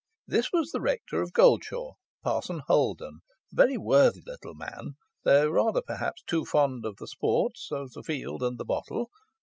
This was the rector of Goldshaw, Parson Holden, a very worthy little man, though rather, perhaps, too fond of the sports of the field and the bottle.